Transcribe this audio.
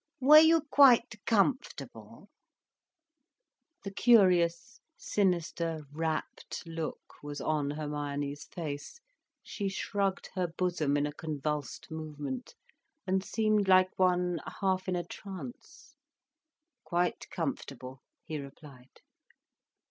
"Were you quite comfortable?" The curious, sinister, rapt look was on Hermione's face, she shrugged her bosom in a convulsed movement, and seemed like one half in a trance. "Quite comfortable," he replied.